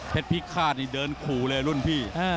เผ็ดพิคฆาตนี่เดินกู้เลยรุ่นพี่